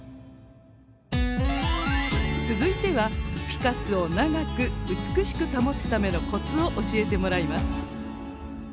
続いてはフィカスを長く美しく保つためのコツを教えてもらいます。